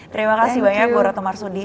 terima kasih banyak bu ratu marsudi